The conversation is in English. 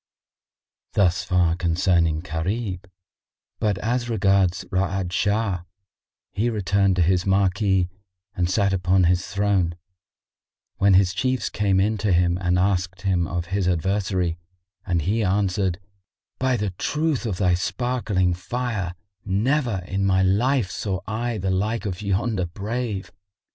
Thus far concerning Gharib; but as regards Ra'ad Shah, he returned to his marquee and sat upon his throne, when his Chiefs came in to him and asked him of his adversary, and he answered, "By the truth of the sparkling Fire, never in my life saw I the like of yonder brave!